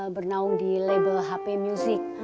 bernaung di label hp music